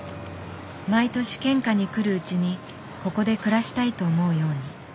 毎年献花に来るうちにここで暮らしたいと思うように。